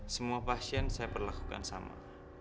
semua pasien saya perlakukan sama